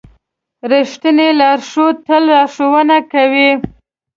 رښتینی لارښود تل لارښوونه کوي.